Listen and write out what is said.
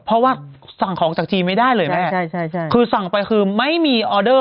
เพราะว่าสั่งของจากทีไม่ได้เลยคู่สั่งไปคือไม่มีออเดอร์